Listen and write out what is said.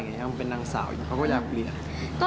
อยากเป็นนางสาวเขาก็อยากเปลี่ยน